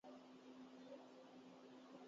اور مجھے یوں اچھلتا دیکھ کر زیرلب مسکرا رہے تھے